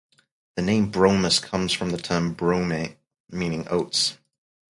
The name "Bromus" comes from the term brome, meaning oats.